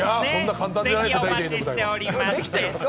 ぜひお待ちしております！